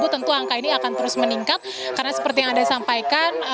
tentu angka ini akan terus meningkat karena seperti yang anda sampaikan